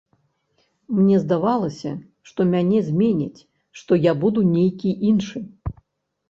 Мне здавалася, што мяне зменіць, што я буду нейкі іншы.